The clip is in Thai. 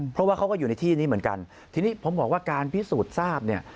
เพราะว่าเขาก็อยู่ในที่นี้เหมือนกันทีนี้ผมบอกว่าการพิสูจน์ทราบเนี่ย